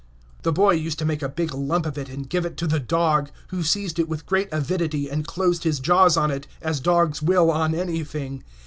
The boy used to make a big lump of it and give it to the dog, who seized it with great avidity, and closed his jaws on it, as dogs will on anything.